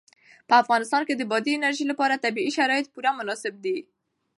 په افغانستان کې د بادي انرژي لپاره طبیعي شرایط پوره مناسب دي.